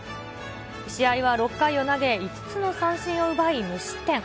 試合は６回を投げ、５つの三振を奪い、無失点。